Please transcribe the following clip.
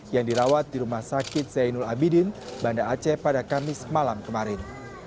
yang dirawat di rumah sakit zainul abidin banda aceh pada kamis malam kemarin